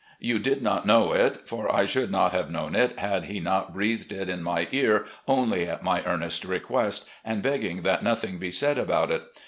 You did not know it; for I should not have known it had he not breathed it in my ear only at my earnest request, and begging that nothing be said about it.